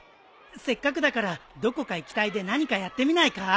せっかくだからどこか行き隊で何かやってみないか？